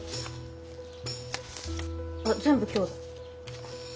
あっ全部今日だ。